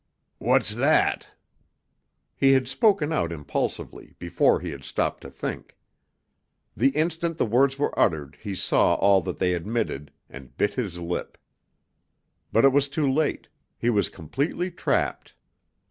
"What's that?" He had spoken out impulsively, before he had stopped to think. The instant the words were uttered he saw all that they admitted, and bit his lip. But it was too late; he was completely trapped.